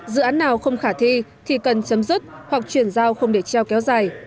dự án nào không khả thi thì cần chấm dứt hoặc chuyển giao không để treo kéo dài